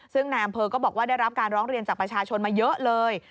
ซึ่งนายอำเภอก็บอกว่าได้รับการร้องเรียนจากประชาชนมาเยอะเลย